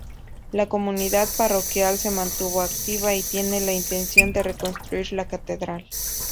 La comunidad parroquial se mantuvo activa, y tiene la intención de reconstruir la catedral.